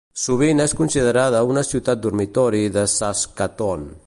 Sovint és considerada una ciutat dormitori de Saskatoon.